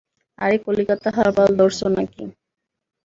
আরে, কলিকাতা হারবাল ধরছো নাকি?